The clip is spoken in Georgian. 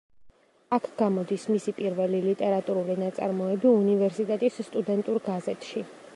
აქ გამოდის მისი პირველი ლიტერატურული ნაწარმოები უნივერსიტეტის სტუდენტურ გაზეთში.